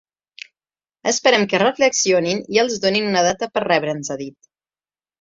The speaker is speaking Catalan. Esperem que reflexionin i els donin una data per rebre’ns, ha dit.